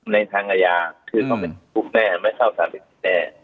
ในทางอาญาคือเขาเป็นผู้แม่ไม่เข้าศาลิกแม่